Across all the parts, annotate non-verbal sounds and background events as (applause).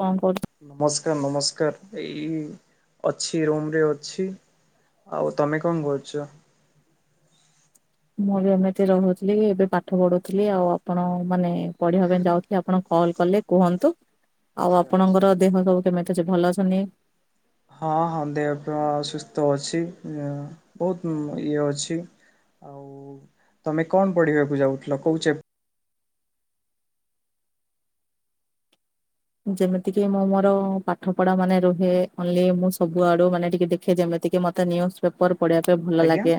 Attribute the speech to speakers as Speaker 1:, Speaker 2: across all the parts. Speaker 1: କଣ କରୁଚୁ
Speaker 2: ନମସ୍କାର ନମସ୍କାର ଏଇ ଅଛି ରୁମ ରେ ଅଛି। ଆଉ ତମେ କଣ କରୁଛ?
Speaker 1: ମୁଁ ବି ଏମିତି ରହୁଥିଲି ଏବେ ପାଠ ପଢୁଥିଲି ଆଉ ଆପଣ ମାନେ ପଢ଼ିବା ପାଇଁ ଯାଉଥିଲି ଆପଣ କଲ କଲେ କୁହନ୍ତୁ ଆଉ
Speaker 2: ଆଚ୍ଛା ଆଚ୍ଛା।
Speaker 1: ଆପଣଙ୍କର ଦେହ ସବୁ କେମିତି ଅଛି ଭଲ ଅଛନ୍ତି?
Speaker 2: ହଁ ହଁ ଦେହ ସୁସ୍ଥ ଅଛି ବହୁତ ଇଏ ଅଛି। ଆଉ ତମେ କଣ ପଢ଼ିବାକୁ ଯାଉଥିଲ କୋଉଁ ଚାପ
Speaker 1: ଯେମିତିକି ମୁଁ ମୋର ପାଠ ପଢ଼ା ମାନେ ରୁହେ ଅନଲାଇନ ରେ ସବୁଆଡ଼େ ମାନେ ଟିକେ ଦେଖେ ଯେମିତି ତିକି ମତେ ନିୟୁଜ ପେପର ପଢ଼ିବା ପାଇଁ ଭଲ
Speaker 2: ଆଜ୍ଞା।
Speaker 1: ଲାଗେ।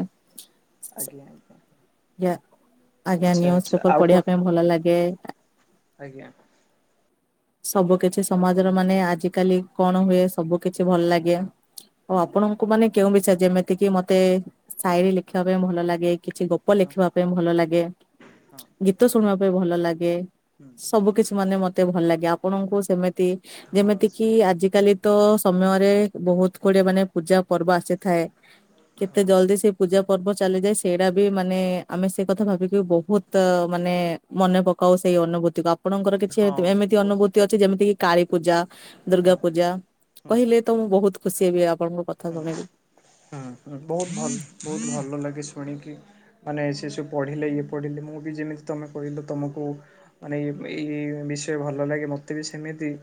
Speaker 2: ଆଜ୍ଞା ଆଜ୍ଞା।
Speaker 1: ଆଜ୍ଞା
Speaker 2: ଆଚ୍ଛା
Speaker 1: ନିୟୁଜ
Speaker 2: ଆଚ୍ଛା
Speaker 1: ପେପର
Speaker 2: ଆଉ
Speaker 1: ପଢ଼ିବା
Speaker 2: କଣ
Speaker 1: ପାଇଁ ଭଲ ଲାଗେ।
Speaker 2: ଆଜ୍ଞା
Speaker 1: ସବୁ କିଛି
Speaker 2: ଆଉ କଣ
Speaker 1: ସମାଜର ମାନେ ଆଜିକାଲି କଣ ହୁଏ ସବୁ କି କିଛି ଭଲ ଲାଗିବା।
Speaker 2: ହଁ
Speaker 1: ଆଉ
Speaker 2: ହଁ
Speaker 1: ଆପଣଙ୍କୁ ମାନେ କେଉଁ ବି ଯେମିତି କିି ମତେ ସାଇରୀ ଲେଖିବାକୁ ପାଇଁ ଭଲ ଲାଗେ। କିଛି ଗପ
Speaker 2: ହଁ
Speaker 1: ଲେଖିବା ପାଇଁ ଭଲ ଲାଗେ। ଗୀତ ଶୁଣିବା ପାଇଁ ଭଲ ଲାଗେ। ସବୁ କିଛି ମାନେ ମତେ ଭଲ ଲାଗେ ଆପଣଙ୍କୁ ସେମିତି ଯେମିତି
Speaker 2: ହଁ।
Speaker 1: କିି ଆଜିକାଲି ତ ସମୟରେ ବହୁତ ଗୁଡିଏ ମାନେ ପୂଜା ପର୍ବ ଆସିଥାଏ। କେତେ ଜଲଦି ସେ ପୂଜା ପର୍ବ ଚାଲିଯାଏ ସେଇଟା ବି ମାନେ ଆମେ ସେ କଥା ଭାବିକି ବହୁତ ମା ମାନେ ମନେ ପକାଉ ସେଇ ଅନୁଭୂତିକୁ ଆପଣଙ୍କର
Speaker 2: ହଁ
Speaker 1: କିଛି
Speaker 2: ହଁ
Speaker 1: ଏମିତି
Speaker 2: ବହୁତ
Speaker 1: ଅନୁଭୂତି ଅଛି ଯେମିତି କିି କାଳୀବପୂଜା,
Speaker 2: ହଁ
Speaker 1: ଦୁର୍ଗା ପୂଜା କହିଲେ ତ ମୁଁ ବହୁତ ଖୁସି ହେବି। ଆ
Speaker 2: ହଁ ହଁ ବହୁତ ଭଲ ବହୁତ ଭଲ ଲାଗେ ଶୁଣିକି ମାନେ ସେ ସବୁ ପଢିଲେ ଇଏ ପଢିଲେ ମୁଁ ବି ଯେମିତି ତମେ କହିଲ ତମକୁ ମାନେ ଇ ଏଇ ବିଷୟ ଭଲ ଲାଗେ। ମୋତେ ବି ସେମିତି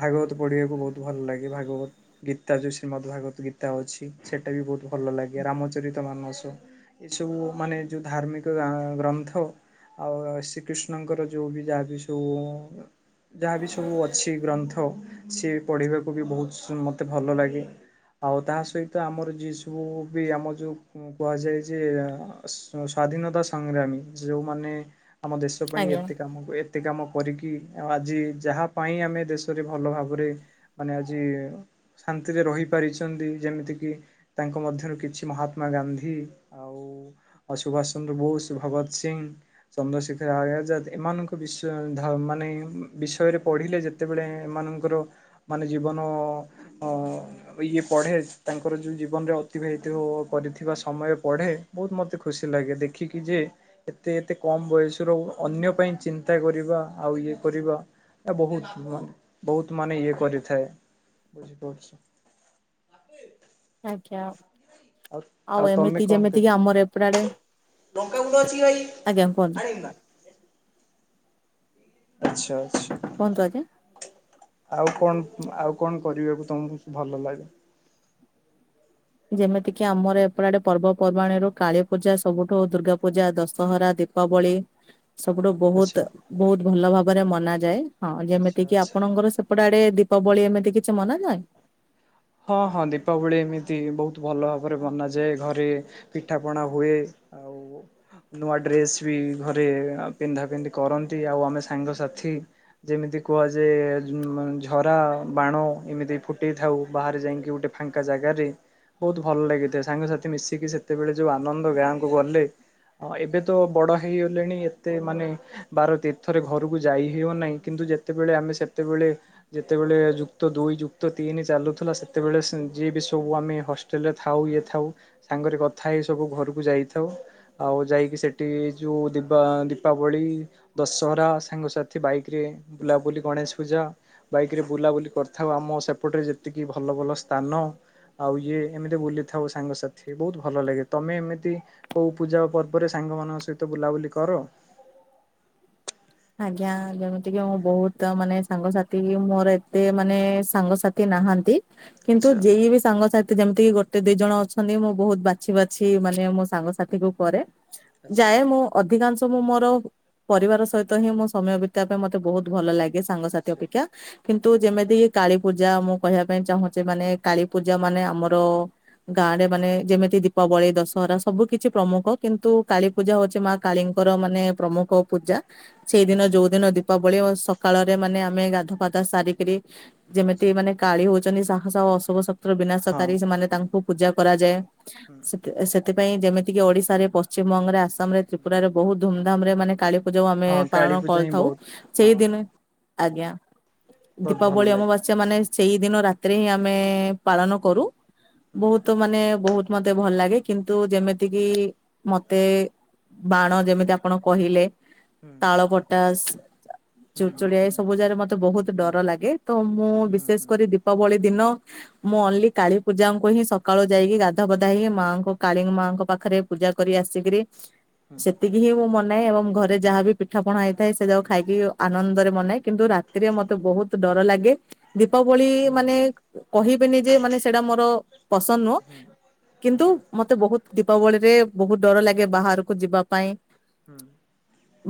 Speaker 2: ଭାଗବତ ପଢ଼ିବାକୁ ବହୁତ ଭଲ ଲାଗେ। ଭାଗବତ ଗୀତା ଯୋଉ ଶ୍ରୀମଦ୍ ଭାଗବତ ଗୀତା ଅଛି ସେଟା ବି ବହୁତ ଭଲ ଲାଗେ। ରାମଚରିତ ମାନସ୍ ଏସବୁ ମାନେ ଯୋଉ ଧାର୍ମିକ ଗ୍ରନ୍ଥ ଆଉ ଶ୍ରୀକୃଷ୍ଣଙ୍କର ଯୋଉ ବି ଯାହା ବି ସବୁ ଯାହା ବିି ସବୁ ଅଛି ଗ୍ରନ୍ଥ ସିଏ ପଢ଼ିବାକୁ ବି ବହୁତ ମୋତେ ଭଲ ଲାଗେ। ଆଉ ତା ସହିତ ଆମର ସବୁ ବି ଆମର ଯୋଉ କୁହାଯାଏ ଯେ ସ୍ଵାଧୀନ ସ୍ୱାଧିନତା ସଂଗ୍ରାମୀ ଯୋଉମାନେ ଆମ ଦେଶ ପାଇଁ
Speaker 1: ଆଜ୍ଞା।
Speaker 2: ଏତେ କାମକୁ ଏତେ କାମ କରିକି ଆଉ ଆଜି ଯାହା ପାଇଁ ଆମେ ଦେଶରେ ଭଲ ଭାବରେ ମାନେ ଆଜି ଶାନ୍ତିରେ ରହିପାରିଚି। ଯେମିତି କି ତାଙ୍କ ମଧ୍ୟରୁ କିଛି ମହାତ୍ମା ଗାନ୍ଧୀ ଆଉ ସୁଭାଷ ଚନ ବୋଷ ଭଗତ ସିଂହ, ଚନ୍ଦ୍ରଶେଖର ଆୟାଜାଦ ଏମାନଙ୍କ ବି ମାନେ ବିଷୟରେ ପଢ଼ିଲେ ଯେତେବେଳେ ଏମାନଙ୍କର ମାନେ ଜୀବନ ଅ ଇଏ ପଢ଼େ ତାଙ୍କର ଯେଉଁ ଜୀବନରେ ଅତିବାହିତ କରିଥିବା ସମୟ ପଢ଼େ। ବହୁତ ମତେ ଖୁସି ଲାଗେ। ଦେଖିକି ଯେ ଏତେ ଏତେ କମ ବୟସ ରୁ ଅନ୍ୟ ପାଇଁ ଚିନ୍ତା କରିବା ଆଉ ଇଏ କରିବା ବହୁତ ବହୁତ ମାନେ ଇଏ କରିଥାଏ। ବୁଝିପାରୁଛି। ବାପି।
Speaker 1: ଆଜ୍ଞା, ଆଉ ଏମିତି ଯେମିତି କି ଆମର ଏପଟ ଆଡେ
Speaker 2: ଲଙ୍କା ଗୁଣ୍ଡ ଅଛି ଭାଇ, ଆଣିବି ନା।
Speaker 1: (inaudible)
Speaker 2: ଆଚ୍ଛା ଆ
Speaker 1: କୁହନ୍ତୁ ଆଜ୍ଞା।
Speaker 2: ଆଉ କଣ ଆଉ କଣ କରିବାକୁ ତମକୁ ଭଲ ଲାଗେ?
Speaker 1: ଯେମିତି କିି ଆମର ଏପଟ ଆଡେ ପର୍ବପର୍ବାଣୀ ରୁ କାଳୀ ପୂଜା ସବୁଠୁ ଦୁର୍ଗା ପୂଜା, ଦଶହରା ଦୀପାବଳି। ସବୁଠୁ
Speaker 2: ଆଚ୍ଛା
Speaker 1: ବହୁତ ବହୁତ ଭଲ ଭାବରେ ମନା ଯାଏ। ହଁ
Speaker 2: ଆଚ୍ଛା
Speaker 1: ଯେମିତି କିି
Speaker 2: ଆଚ୍ଛା।
Speaker 1: ଆପଣଙ୍କର ସେପଟେ ଆଡେ ଦୀ ଦୀପାବଳି ଏମିତି କିଛି ମନା ନାହିଁ।
Speaker 2: ହଁ ହଁ ଦୀପାବଳି ଏମିତି ବହୁତ ଭଲ ଭାବରେ ବନାଯାଏ। ଘରେ ପିଠା ପଣା ହୁଏ। ଆଉ। (inaudible) ନୂଆ ଡ୍ରେସ ବି ଘରେ ପିନ୍ଧା ପିନ୍ଧି କରନ୍ତି। ଆଉ ଆମେ ସାଙ୍ଗସାଥି ଯେମିତି କୁହାଯାହା ଝରା ବାଣ ଏମିତି ଫୁଟେଇଥାଉ। ବାହାରେ ଯାଇକି ଗୋଟେ ଫାଙ୍କା ଜାଗାରେ। ବହୁତ ଭଲ ଲାଗିଥାଏ। ସାଙ୍ଗସାଥି ମିଶିକି ସେତେବେଳେ ଯୋଉ ଆନନ୍ଦ ଗାଁକୁ ଗଲେ। ହଁ ଏବେ ତ ବଡ ହେଇଗଲେଣି ଏତେ ମାନେ ବାର ତୀର୍ଥରେ ଘରକୁ ଯାଇ ହେଉ ନାହିଁ। କିନ୍ତୁ ଯେତେବେଳେ ଆମେ ସେତେବେଳେ ଯେତେବେଳେ ଯୁକ୍ତ ଦୁଇ ଯୁକ୍ତ ତିନି ଚାଲୁ ଥିଲା ସେତବେଳେ ଯିଏ ବି ସବୁ ଆମେ ହଷ୍ଟେଲ ରେ ଥାଉ ଇଏ ଥାଉ ସାଙ୍ଗରେ କଥା ହେଇ ସବୁ ଘରକୁ ଯାଇ ଥାଉ। ଆଉ ଯାଇକି ସେଠି ଯୋଉ ଦୀପା ଦୀପାବଳି ଦଶହରା ସାଙ୍ଗସା ବାଇକ୍ ରେ ବୁଲାବୁଲି ଗଣେଶ ପୂଜା ବାଇକ୍ ରେ ବୁଲାବୁଲି କରିଥାଉ ଆମ ସେପଟରେ ତିକି ଭଲ ଭଲ ସ୍ଥାନ ଆଉ ଇଏ ଏମିତି ବୁଲିଥାଉ ସାଙ୍ଗସାଥି ବହୁତ ଭଲ ଲାଗେ। ତମେ ଏମିତି ତି କୋଉ ପୂଜା ପର୍ବରେ ସାଙ୍ଗମାନଙ୍କ ସହ ବୁଲାବୁଲି କର?
Speaker 1: (unintelligible) ଆଜ୍ଞା ଯେମିତି କି ମୁଁ ବହୁତ ମାନେ ସାଙ୍ଗସାଥି ମୋର ଏତେ ମାନେ ସାଙ୍ଗସାଥି ନାହାନ୍ତି କିନ୍ତୁ
Speaker 2: ଆଚ୍ଛା
Speaker 1: ଯେ ବି ସାଙ୍ଗସାଥି ଯେମିତି ଗୋଟାଏ ଗୋଟେ ଦି ଜଣ ଅଛନ୍ତି ମୁଁ ବହୁତ ବାଛି ବାଛି ମାନେ ମୋ ସାଙ୍ଗସାଥି କୁ କରେ।
Speaker 2: ଆଚ୍ଛା
Speaker 1: ଯାଏ ମୁଁ ଅଧିକାଂଶ ମୁଁ ମୋର ପରିବାର ସହି ତ ହିଁ ମୋ ସମୟ ବିତେଇଡବା ପାଇଁ ମତେ ବହୁତ ଭଲ ଲାଗେ। ସାଙ୍ଗସାଥି
Speaker 2: ଆଚ୍ଛା
Speaker 1: ଅପେକ୍ଷା କିନ୍ତୁ ଯେମିତି କାଳୀ ପୂଜା ମୁଁ କହିବା ପାଇଁ ଚାହୁଁଛେ ମାନେ କାଳୀ ପୂଜା ମାନେ ଆମର ଗାଁ ରେ ମାନେ ଯେମିତି ଦୀପାବଳି ଦଶହରା ସବୁ କିିଛି ପ୍ରମୁଖ କିନ୍ତୁ କା ପୂଜା ହଉଛି ମା କାଳୀ ଙ୍କର ମାନେ ପ୍ରମୁଖ ପୂଜା। ସେଇଦିନ
Speaker 2: ଆଚ୍ଛା ଆଚ୍ଛା।
Speaker 1: ଯୋଉ ଦିନ ଦୀପାବଳି ସକାଳରେ ମାନେ ଆମେ ଗାଧୁଆ ପାଧୁଆ ସାରିକରି ଯେମିତି
Speaker 2: ଆଚ୍ଛା
Speaker 1: ମାନେ କାଳି ହଉଛନ୍ତି ସାହସ ଆଉ ଅଶୁଭ ଶକ୍ତିର
Speaker 2: ହଁ
Speaker 1: ବିନାଶକାରୀ ସେମାନେ ତାଙ୍କୁ ପୂଜା କରାଯାଏ
Speaker 2: ହୁଁ
Speaker 1: ସେଥିପାଇଁ ଯେମିତିକି ଓଡିଶାରେ ପଶ୍ଚିମବଙ୍ଗରେ ଆସାମରେ ପୁରାରେ ବହୁତ ଧୁମଧାମ ରେ ମାନେ କାଳୀ ପୂଜା ଆମେ
Speaker 2: ହଁ କାଳୀ
Speaker 1: ପାଳନ
Speaker 2: ପୂଜା ହିଁ
Speaker 1: କରିଥାଉ
Speaker 2: ବହୁତ ହଁ
Speaker 1: ସେଇ ଦିନେ ଆଜ୍ଞା
Speaker 2: ବହୁତ ଭଲ
Speaker 1: ଦୀପାବଳି
Speaker 2: ଲାଗେ।
Speaker 1: ଅମବାସ୍ୟା ମାନେ ସେଇ ଦିନ ରାତିରେ ହିଁ ଆମେ ପାଳନ କରୁ
Speaker 2: ହୁଁ
Speaker 1: ବହୁତ ମାନେ ବହୁତ ମତେ ଭଲ ଲାଗେ କିନ୍ତୁ ଯେମିତି କିି ମତେ ବାଣ ଯେମିତି ଆପଣ କହିଲେ ତାଳ
Speaker 2: ହୁଁ
Speaker 1: ପଟା ଚୁଚୁଳିଆ
Speaker 2: ହୁଁ
Speaker 1: ଏ ସବୁ ଯାଗାରେ ମତେ ବହୁତ
Speaker 2: ହୁଁ
Speaker 1: ଡର ଲାଗେ ତ ମୁଁ
Speaker 2: ହୁଁ
Speaker 1: ବିଶେଷ
Speaker 2: ହୁଁ
Speaker 1: କରି ଦୀପାବଳି ଦିନ ମୁଁ ଅନଲି କାଳୀ ପୂଜାଙ୍କୁ ହିଁ ସକାଳୁ ଯାଇକି ଗାଧୁଆ ପାଧୁଆ ହେଇକି ମାଙ୍କ କାଳି ମାଆଙ୍କ ପାଖରେ ପୂଜା ପୂଜା କରି ଆସିକିରି
Speaker 2: ହୁଁ
Speaker 1: ସେତିକି ହିଁ ମୁଁ ମନାଏ ଏବଂ ଘରେ ରେ ଯାହାବି ପିଠା ପଣା ହେଇଥାଏ ସେ ଯାଉ ଖାଇକି ଆନନ୍ଦରେ ମନାଏ କିନ୍ତୁ ରାତିରେ ମତେ ବହୁତ ଡର ଲାଗେ। ଦୀପାବଳି
Speaker 2: ହୁଁ
Speaker 1: ମାନେ
Speaker 2: ହୁଁ
Speaker 1: କହିବେନି ଯେ ମାନେ ସେଇଟା ମୋର ପସନ୍ଦ ନୁହଁ କିନ୍ତୁ ମତେ ବହୁତ ଦୀପାବଳି ରେ ବହୁତ ଡର ଲାଗେ ବାହାରକୁ ଯିବା ପାଇଁ।
Speaker 2: ହୁଁ।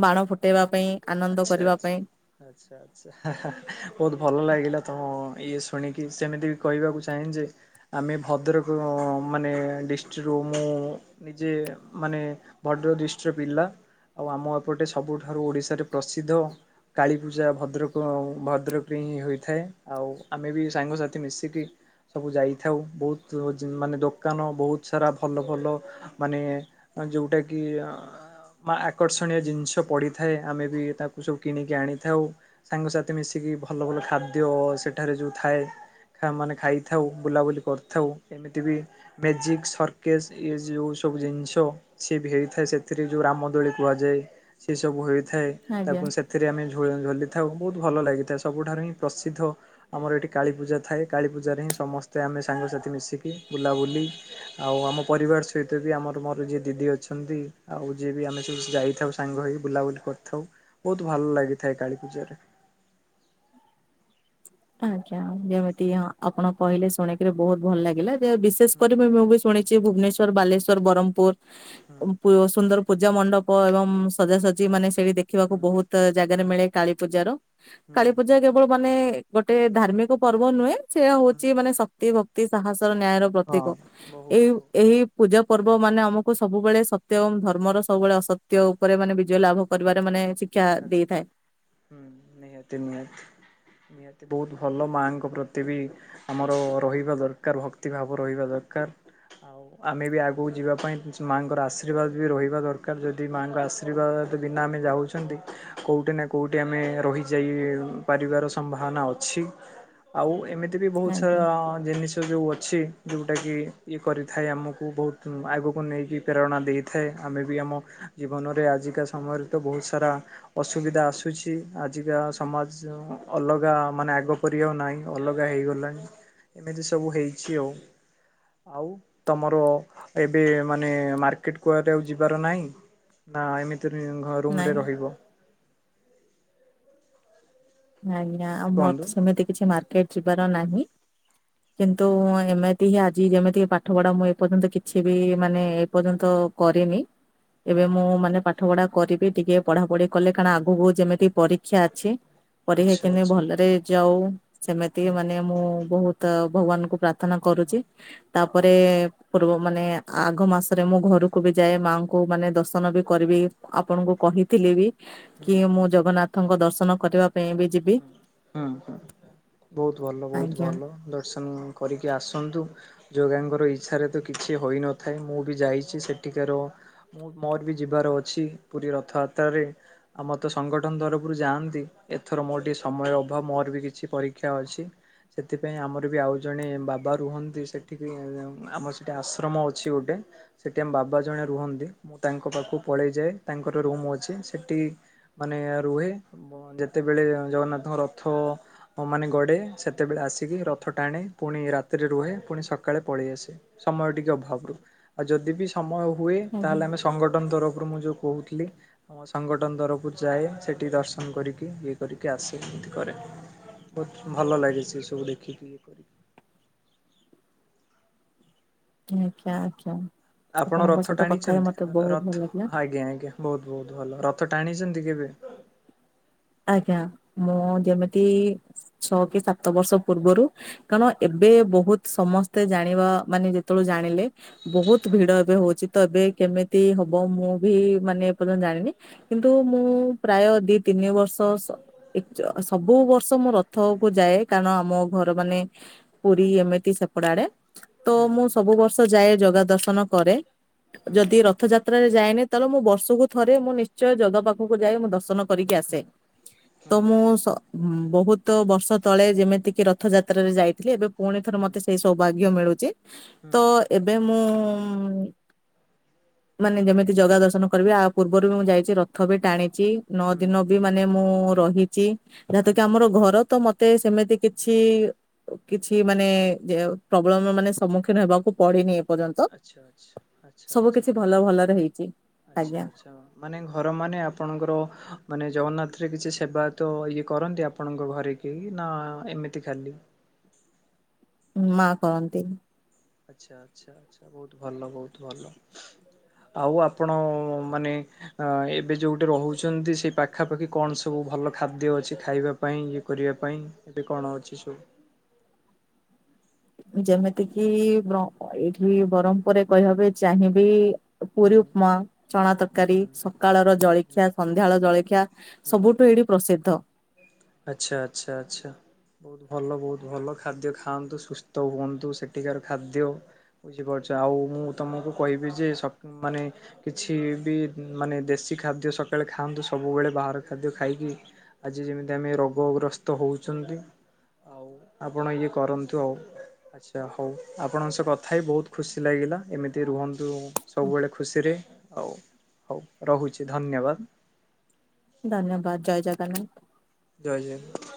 Speaker 1: ବାଣ ଫୁଟେଇବା ପାଇଁ ଆନନ୍ଦ
Speaker 2: ଆଛା
Speaker 1: କରିବା ପାଇଁ
Speaker 2: ଆଛା ଆଛା ଆଛା ବହୁତ ଭଲ ଲାଗିଲା ତମ ଇଏ ଶୁଣିକି ସେମିତି ବି କହିବାକୁ ଚାହେଁ ଯେ ଆମେ ଭଦ୍ରକ ମାନେ ଡିଷ୍ଟ୍ରିକ୍ଟରୁ ମୁଁ ନିଜେ ମାନେ ଭଦ୍ରକ୍ ଡିଷ୍ଟିକ୍ ର ପିଲା ଆଉ ଆମ ଏପଟେ ସବୁଠାରୁ ଓଡିଶାରେ ପ୍ରସିଦ୍ଧ କାଳୀପୂଜା ଭଦ୍ରକ ଭଦ୍ରକରେ ହିଁ ହୋଇଥାଏ। ଆଉ ଆମେ ବି ସାଙ୍ଗସାଥି ମିଶିକି ସବୁ ଯାଇଥାଉ ବହୁତ ମାନେ ଦୋକାନ ବହୁତ ସାରା ଭଲ ଭଲ ଭଲ ମାନେ ଯୋଉଟା କି ଆକର୍ଷଣୀୟ ଜିନିଷ ପଡିଥାଏ। ଆମେ ବି ତାକୁ ସବୁ କିଣିକି ଆଣିଥାଉ ସାଙ୍ଗସଥି ମିଶିକି କି ଭଲ ଭଲ ଖାଦ୍ୟ ସେଠାରେ ଯେଉଁ ଥାଏ ମାନେ ଖାଇଥାଉ ବୁଲାବୁଲି କରିଥାଉ। ଏମିତି ବି ମେଜିକ ସର୍କେସ୍ ଇଏ ଯୋଉ ସବୁ ଜିନିଷ ସିଏବି ହେଇଥାଏ ସେଥିରେ ଯୋଉ ରାମ ଦୋଳି କୁହାଯାଏ। ସେ ସବୁ ହେ ଥାଏ
Speaker 1: ଆଜ୍ଞା।
Speaker 2: ତାକୁ ସେଥିରେ ଆମେ ଝ ଝୁଲି ଥାଉ ବହୁତ ଭଲ ଲାଗିଥାଏ ସବୁଠାରୁ ହିଁ ପ୍ରସିଦ୍ଧ ଆମର ଏଠି କାଳୀପୂଜା ଥାଏ। କାଳୀପୂଜାରେ ହିଁ ସମସ୍ତେ ଆମେ ସାଙ୍ଗସାଥି ମିଶିକି ବୁଲାବୁଲି ଆଉ ଆମ ପରିବାର ସହିତ ବି ଆମର ମୋର ଯିଏ ଦିଦି ଅଛନ୍ତି। ଆଉ ଯିଏ ବି ଆମେ ସେ ଯାଇଥାଉ ସାଙ୍ଗ ହେଇ ବୁଲାବୁଲି ବୁଲି କରିଥାଉ। ବହୁତ ଭଲ ଲାଗିଥାଏ କାଳୀ ପୂଜାରେ।
Speaker 1: (inaudible) ଆଜ୍ଞା ଯେମିତି ହଁ ଆପଣ କହିଲେ ଶୁଣିକିରି ବହୁତ ଭଲ ଲାଗିଲା ଯେ ବିଶେଷ
Speaker 2: ହୁଁ
Speaker 1: କରି ମୁ ମୁ ଶୁଣିଛି ଭୁବନେଶ୍ଵର ବାଲେଶ୍ଵର ବ୍ରହ୍ମପୁର ସୁନ୍ଦର ପୂଜା ମଣ୍ଡପ ଏବଂ ସଜାସଜି ମାନେ ସେଇଠି ଦେଖିବାକୁ
Speaker 2: ହୁଁ
Speaker 1: ବହୁତ ଜାଗାରେ
Speaker 2: ହୁଁ
Speaker 1: ମିଳେ କାଳୀପୂଜାର
Speaker 2: ହୁଁ
Speaker 1: କାଳୀପୂଜା
Speaker 2: ହୁଁ
Speaker 1: କେବଳ ମାନେ ଗୋଟେ ଧାର୍ମିକ ପର୍ବ ନୁହେଁ ସେ
Speaker 2: ହୁଁ
Speaker 1: ହଉଛି ମାନେ ଶକ୍ତି ଭକ୍ତି ସାହସ ନ୍ୟାୟର ପ୍ରତୀକ
Speaker 2: ହଁ
Speaker 1: ଏ
Speaker 2: ବହୁତ
Speaker 1: ଏହି ପୂଜା ପର୍ବ ମାନେ ଆମକୁ ସବୁବେଳେ ସତ୍ୟ ଏବଂ ଧର୍ମର ସବୁବେଳେ ଅସତ୍ୟ ଉପରେ ମାନେ ବିଜୟ ଲାଭ କରିବାରେ ମାନେ ଶିକ୍ଷା ଦେଇଥାଏ
Speaker 2: ଆଛା ହୁଁ ନିହାତି ନିହାତି ନିତି ବହୁତ ଭଲ ମାଆଙ୍କ ପ୍ରତି ବି ଆମର ରହିବା ଦରକାର ଭକ୍ତି ଭାବ ରହିବା ଦରକାର। ଆଉ ଆମେ ବି ଆଗକୁ ଯିବା ପାଇଁ ଛି ମାଆଙ୍କର ଆଶୀର୍ବାଦ ବି ରହିବା ଦରକାର ଯଦି ମାଆଙ୍କ ଆଶୀର୍ବାଦ ଯଦି ବିନା ଆମେ ଯାଉଛନ୍ତି କୋଉଠି ନା କୋଉଠି ଆମେ ରହିଯାଇ ପାରିବାର ସମ୍ଭାବନା ଅଛି। ଆଉ ଏମିତି ବି ବହୁତ
Speaker 1: ଆଜ୍ଞା
Speaker 2: ସାରା ଜିନିଷ ଯୋଉ ଅ ଅଛି ଯୋଉଟା କିି ଇଏ କରିଥାଏ ଆମକୁ ବହୁତ ଆଗକୁ ନେଇକି ପ୍ରେରଣା ଦେଇଥାଏ ଆମେ ବି ଆମ ଜୀବନରେ ଆଜିକା ସମୟରେ ତ ବହୁତ ସାରା ଅସୁବିଧା ଆସୁଛି ଆଜିକା ସମାଜ ଅଲଗା ମାନେ ଆଗ ପରି ଆଉ ନାହିଁ ଅଲଗା ହେଇଗଲାଣି ଏମିତି ସବୁ ହେଇଛି ଆଉ। ଆଉ ତମର ଏବେ ମାନେ ମାର୍କେଟ କୁଆଡେ ଆଉ ଯିବାର ନାହିଁ? ନା ଏମିତି ଘ୍ ରୁମ ରେ
Speaker 1: ନାଇଁ
Speaker 2: ରହିବ?
Speaker 1: ଆଜ୍ଞା ଆଉ ମୋର
Speaker 2: କୁହନ୍ତୁ?
Speaker 1: ତ ସେମିତି କିଛି ମାର୍କେଟ ଯିବାର ନାହିଁ। କିନ୍ତୁ ଏମିତି ହିଁ ଆଜି ଯେମିତି ପାଠ ପଢା ମୁଁ ଏପର୍ଯ୍ୟନ୍ତ କିଛି ବି ମାନେ ଏ ପର୍ଯ୍ୟନ୍ତ କରେନି
Speaker 2: ହୁଁ
Speaker 1: ଏବେ ମୁଁ ମାନେ ପା ପାଠ ପଢା କରିବି ଟିକେ ପଢା ପଢି କଲେ କାରଣ ଆଗକୁ ଯେମିତି ପରୀକ୍ଷା ଅଛି। ପର
Speaker 2: ଆଚ୍ଛା
Speaker 1: ହେକିନି
Speaker 2: ଆଚ୍ଛା
Speaker 1: ଭଲରେ ଯାଉ ସେମିତି
Speaker 2: ହୁଁ
Speaker 1: ମାନେ ମୁଁ ବହୁତ ଭଗବାନଙ୍କୁ ପ୍ରା ପ୍ରଥନା
Speaker 2: ହଁ
Speaker 1: କରୁଛି। ତାପରେ ପୂର୍ବ ମାନେ ଆଘ ମାସରେ ମୁଁ ଘରକୁ ବି ଯାଏ ମାଆଙ୍କୁ ମାନେ ଦର୍ଶନ ବି କରିବି। ଆପଣଙ୍କୁ କହିଥିଲି ବି
Speaker 2: ହୁଁ
Speaker 1: କି ମୁଁ ଜଗନ୍ନାଥଙ୍କ ଦର୍ଶନ କରିବା ପାଇଁ ବି ଯିବି
Speaker 2: ହଁ ହଁ ହଁ। ବହୁତ ଭଲ, ବହୁତ
Speaker 1: ଆଜ୍ଞା।
Speaker 2: ଭଲ, ଦର୍ଶନ କରିକି ଆସନ୍ତୁ। ଜଗାଙ୍କର ଇଚ୍ଛାରେ ତ କିଛି ହୋଇନଥାଏ, ମୁଁ ବି ଯାଇଛି ସେଠିକାର ମୁଁ ମୋର ବି ଯିବାର ଅଛି ପୁରୀ ରଥଯାତ୍ରାରେ ଆମର ତ ସଂଗଠନ ତରଫରୁ ଯାଆନ୍ତି, ଏ ଏଥର ମୋର ଟିକେ ସମୟ ଅଭାବ ମୋର ବି କିଛି ପରୀକ୍ଷା ଅଛି। ସେଥିପାଇଁ ଆମର ବି ଆଉ ଜଣେ ବାବା ରୁହନ୍ତି ସେଠିବି ଆମର ସେଠି ଆଶ୍ରମ ଅଛି ଗୋଟେ। ସେଠି ଆମ ବାବା ଜଣେ ରୁହନ୍ତି ମୁଁ ତାଙ୍କ ପାଖକୁ ପଳେଇ ଯାଏ, ତାଙ୍କର ରୁମ ଅଛି, ସେଠି ମାନେ ରୁହେ ବ ଯେ ଯେତେବେଳେ ଜଗନ୍ନାଥଙ୍କ ରଥ ମାନେ ଗଡ଼େ ସେତେବେଳେ ଆସିକି ରଥ ଟାଣେ ପୁଣି ରାତି ସେଥିରେ ରୁହେ ପୁଣି ସକାଳେ ପଳେଇ ଆସେ, ସମୟ ଟିକେ ଅଭାବରୁ ଆଉ ଯଦି ବି ସମୟ ହୁଏ
Speaker 1: ହୁଁ ହୁଁ
Speaker 2: ତାହେଲେ ଆମେ ସଂଗଠନ ତରଫ ଫୁରୁ ମୁଁ ଯୋଉ କହୁଥିଲି ଆମ ସଂଗଠନ ତରଫରୁ ଯାଏ ସେଠି ଦର୍ଶନ କରିକି ଇଏ କରିକି ଆସି ଏମିତି କରେ। ବହୁତ ଭଲ ଲାଗେ ସେ ସବୁ ଦେଖିକି ଇଏ କରିକି।
Speaker 1: ଆଜ୍ଞା ଆଜ୍ଞା।
Speaker 2: ଆପଣ
Speaker 1: ଆପଣଙ୍କ
Speaker 2: ରଥ
Speaker 1: ସହିତ କଥା ହେଇ ମତେ
Speaker 2: ଟାଣିଛନ୍ତି
Speaker 1: ବହୁତ ଭଲ
Speaker 2: ରଥ
Speaker 1: ଲାଗିଲା
Speaker 2: ଆଜ୍ଞା ଆଜ୍ଞା ବହୁତ। ବହୁତ ଭଲ ରଥ ଟାଣିଛନ୍ତି କେବେ?
Speaker 1: ଆଜ୍ଞା ମୁଁ ଯେମିତି ଛଅ କି ସାତ ବର୍ଷ ପୂର୍ବରୁ କାରଣ ଏବେ ବହୁତ ସମସ୍ତେ ଜାଣିବା ମାନେ ଯେତେବେଳେ ଜାଣିଲେ ବହୁତ ଭିଡ ଏବେ ହଉଛି ତ ଏବେ କେମିତି ହବ ମୁଁ ବି ମାନେ ଏ ପର୍ଯ୍ୟନ୍ତ ଜାଣିନି। କିନ୍ତୁ ମୁଁ ପ୍ରାୟ ଦି ତିନି ବର୍ଷ ତ୍ ସ ଏ ସବୁ ବର୍ଷ ମୁଁ ରଥ କୁ ଯାଏ କାରଣ ଆମ ଘର ମାନେ ପୁ ଏମିତି ସେପଡ଼ାଡେ ତ
Speaker 2: ହୁଁ
Speaker 1: ମୁଁ ସବୁ ବର୍ଷ ଯାଏ ଜଗା ଦର୍ଶନ କରେ,
Speaker 2: ହୁଁ
Speaker 1: ଯଦି ରଥ ଯାତ୍ରାରେ ଯାଏନି ତେଳେ ମୁଁ ବର୍ଷକୁ ଥରେ ମୁଁ ନିଶ୍ଚୟ ଜଗା ପାଖକୁ ଯାଇ ମୁଁ ଦର୍ଶନ କରିକି ଆସେ। ତ
Speaker 2: ହୁଁ
Speaker 1: ମୁଁ
Speaker 2: ହୁଁ
Speaker 1: ସ ବହୁତ ବର୍ଷ ତଳେ ଯେମିତିକି ରଥଯାତ୍ରାରେ ଯାଇଥିଲି ଏବେ ପୁଣି ଥରେ
Speaker 2: ହୁଁ
Speaker 1: ମତେ ସେଇ ସୌଭାଗ୍ୟ ମିଳୁଛି,
Speaker 2: ହୁଁ
Speaker 1: ତ ଏବେ ମୁଁ ମାନେ ଯେମିତି ଜଗା ଦର୍ଶନ କରିବି, ଆ ପୂର୍ବରୁ ବି ମୁଁ ଯାଇଛି ରଥ ବି ଟାଣିଛି, ନଅ
Speaker 2: ହୁଁ
Speaker 1: ଦିନ ବି
Speaker 2: ହୁଁ
Speaker 1: ମାନେ ମୁଁ ରହିଛି ଯାହାତ କି
Speaker 2: ହୁଁ
Speaker 1: ଆମର ଘର ତ ମତେ ସେମିତି କିଛି କିଛି ମାନେ ଏ ପ୍ରୋବ୍ଲେମ ମାନେ ସମ୍ମୁଖୀନ ହେବାକୁ ପଡନି ଏ ତ
Speaker 2: ଆଚ୍ଛା ଆଚ୍ଛା ଆଚ୍ଛା
Speaker 1: ସବୁ
Speaker 2: ଆଚ୍ଛା।
Speaker 1: କିଛି ଭଲ ଭଲରେ ହେଇ
Speaker 2: ଆଚ୍ଛା ଆଚ୍ଛା ମାନେ ଘର ମାନେ ଆପଣଙ୍କର। ମାନେ ଜଗନ୍ନାଥରେ କିଛି ସେବା ତ ଇଏ କରନ୍ତି ଆପଣଙ୍କ ଘରେ କେହି ନା ଏମିତି ଖାଲି?
Speaker 1: ମା କରନ୍ତିନି।
Speaker 2: ଆଚ୍ଛା ଆଚ୍ଛା ଆଚ୍ଛା ବହୁତ ଭଲ ବହୁତ ଭଲ। ଆଉ ଆପଣ ମାନେ ଅ ଏବେ ଯୋଉଠି ରହୁଛନ୍ତି ସେଇ ପାଖାପାଖି କଣ ସବୁ ଭଲ ଖାଦ୍ୟ ଅଛି ଖାଇବା ପାଇଁ ଇଏ କରିବା ପାଇଁ ଏବେ କଣ ଅଛି ସବୁ?
Speaker 1: ହ ଯେମିତି କିି ବ୍ର ଅ ଏଇଠି ବ୍ରହ୍ମପୁରରେ କହିବାକୁ ଏ ଚାହିଁବି।
Speaker 2: ହୁଁ
Speaker 1: ପୁରି ଉପମା। ଚଣା ତରକାରୀ
Speaker 2: ହୁଁ
Speaker 1: ସକାଳର
Speaker 2: ହୁଁ ହୁଁ
Speaker 1: ଜଳିଖିଆ ସନ୍ଧ୍ୟା ବେଳ ଜଳିଖିଆ
Speaker 2: ହୁଁ।
Speaker 1: ସବୁଠୁ ଏଇଠି ପ୍ରସିଦ୍ଧ।
Speaker 2: ଆଚ୍ଛା ଆଚ୍ଛା ଆଚ୍ଛା। ବହୁତ ଭଲ ବହୁତ ଭଲ ଖାଦ୍ୟ ଖାଆନ୍ତୁ ସୁସ୍ଥ ହୁଅନ୍ତୁ ସେଠିକାର ଖାଦ୍ୟ ବୁଝିପାରୁଛ ଆ ଆଉ ମୁଁ ତମକୁ କହିବି ଯେ ସ କ ମାନେ କିଛି ବି ଉଁ ମାନେ ଦେଶୀ ଖାଦ୍ୟ ସକାଳେ। ଖାଆନ୍ତୁ ସବୁବେଳେ ବାହାର ଖାଦ୍ୟ ଖାଇକି। ଆଜି ଯେମିତି ଆମେ ରୋଗଗ୍ରସ୍ତ ହଉଛନ୍ତି। ଆଉ ଆପଣ ଇଏ କରନ୍ତୁ ଆଉ ଆଚ୍ଛା ହଉ ଆପଣଙ୍କ ସହ କଥା ହେଇ ବହୁତ ଖୁସି ଲାଗିଲା। ଏମିତି ରୁହନ୍ତୁ ସବୁବେଳେ ଖୁସିରେ ଆଉ। ହଉ ରହୁଛି ଧନ୍ୟବାଦ।
Speaker 1: ଧନ୍ୟବାଦ ଜୟ ଜଗନ୍ନାଥ।
Speaker 2: ଜୟ ଜଗନ୍ନାଥ।